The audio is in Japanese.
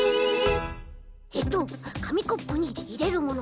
えっとかみコップにいれるもの。